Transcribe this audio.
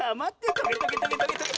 トゲトゲトゲトゲトゲ！